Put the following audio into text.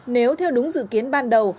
nếu theo đúng dự kiến ban đầu